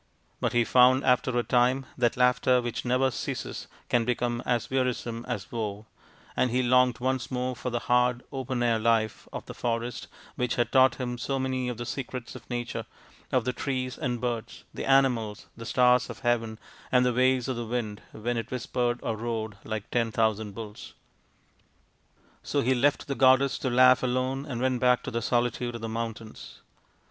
But he found after a time that laughter which never ceases can become as wearisome as woe, and he longed once more for the hard open air life of the forest which had taught him so many of the secrets of nature, of the trees and birds, the animals, the stars of heaven, and the ways of the wind when it whispered or roared like ten thousand bulls. So he left the goddess to laugh alone and went back to the solitude of the mountains.